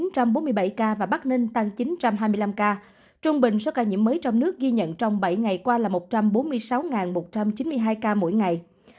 hà nội giảm một trăm bốn mươi bảy ca và bắc ninh tăng chín trăm hai mươi năm ca trung bình số ca nhiễm mới trong nước ghi nhận trong bảy ngày qua là một trăm bốn mươi sáu một trăm chín mươi hai ca mỗi ngày